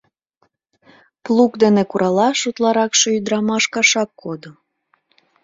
Плуг дене куралаш утларакше ӱдырамаш кашак кодо.